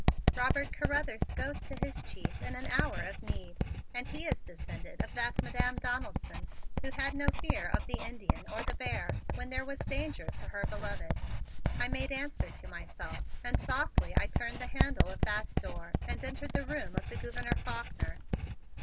"Robert Carruthers goes to his chief in an hour of need and he is descended of that Madam Donaldson who had no fear of the Indian or the bear when there was danger to her beloved," I made answer to myself and softly I turned the handle of that door and entered the room of the Gouverneur Faulkner.